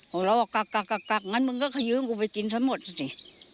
หรือว่ากลักงั้นมันก็ขยื้องกูไปกินทั้งหมดสิ